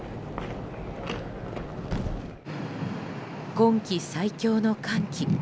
今季最強の寒気。